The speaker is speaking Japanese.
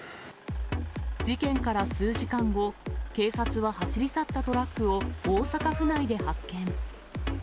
事件から数時間後、警察は、走り去ったトラックを大阪府内で発見。